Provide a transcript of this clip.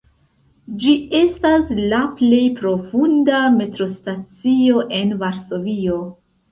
Ĝi estas la plej profunda metrostacio en Varsovio.